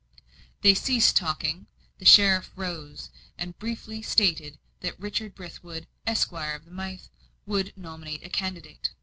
They ceased talking; the sheriff rose, and briefly stated that Richard Brithwood, Esquire, of the Mythe, would nominate a candidate.